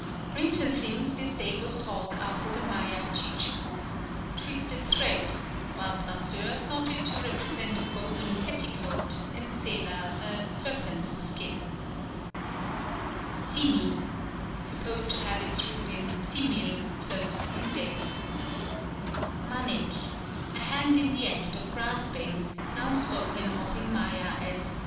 _ Brinton thinks this day was called after the Maya chich kuck, "twisted thread," whilst Brasseur thought it to represent a woven petticoat and Seler a "serpent's skin." 3rd. Cimi. Supposed to have its root in cimil, "closed in death." 4th. Manik. "A hand in the act of grasping," now spoken of in Maya as mach.